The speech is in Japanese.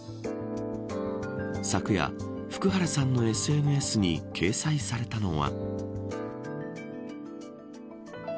昨夜、福原さんのＳＮＳに掲載されたのは。